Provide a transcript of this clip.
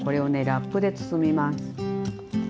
ラップで包みます。